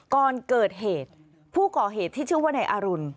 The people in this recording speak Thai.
ก่อนเกิดเหตุผู้ก่อเหตุที่ชื่อว่านายอรุณ